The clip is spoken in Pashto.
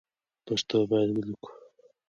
پښتو باید ولیکو